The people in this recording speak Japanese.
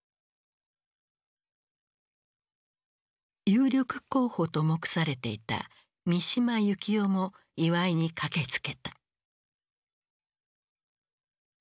有力候補と目されていた三島由紀夫も祝いに駆けつけた。